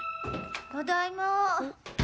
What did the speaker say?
ただいま。